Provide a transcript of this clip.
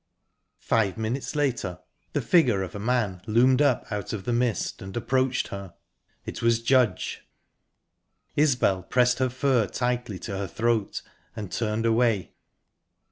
Five minutes later, the figure of a man loomed up out of the mist and approached her. It was Judge. Isbel pressed her fur tightly to her throat and turned away.